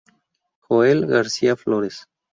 Joel García Flores.